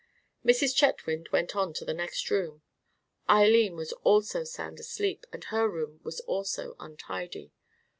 Mrs. Chetwynd went on to the next room. Eileen was also sound asleep, and her room was also untidy.